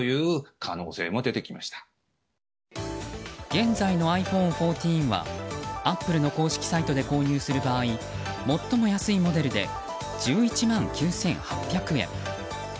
現在のｉＰｈｏｎｅ１４はアップルの公式サイトで購入する場合最も安いモデルで１１万９８００円。